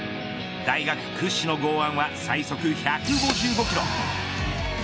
大学屈指の剛腕は最速１５５キロ。